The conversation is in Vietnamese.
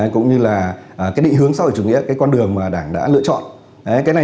cũng như là định hướng sau của chủ nghĩa con đường mà đảng đã lựa chọn